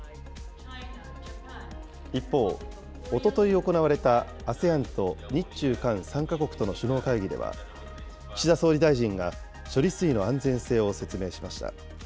一方、おととい行われたＡＳＥＡＮと日中韓３か国との首脳会議では、岸田総理大臣が、処理水の安全性を説明しました。